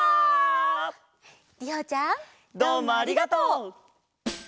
どうもありがとう！